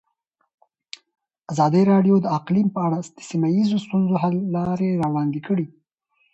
ازادي راډیو د اقلیم په اړه د سیمه ییزو ستونزو حل لارې راوړاندې کړې.